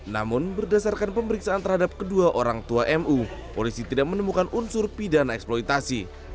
namun berdasarkan pemeriksaan terhadap kedua orang tua mu polisi tidak menemukan unsur pidana eksploitasi